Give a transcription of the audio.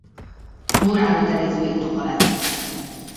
Murányi Teréz birtoka lett.